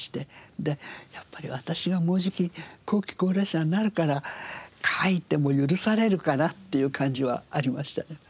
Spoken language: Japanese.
でやっぱり私がもうじき後期高齢者になるから書いても許されるかなっていう感じはありましたね。